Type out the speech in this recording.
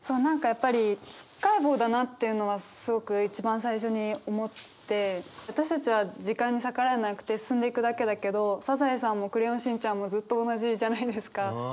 何かやっぱりつっかえ棒だなっていうのはすごく一番最初に思って私たちは時間に逆らえなくて進んでいくだけだけど「サザエさん」も「クレヨンしんちゃん」もずっと同じじゃないですか。